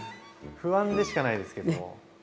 不安でしかないですけども。